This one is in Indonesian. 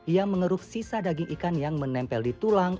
ia mengeruk sisa daging ikan yang menempel di tulang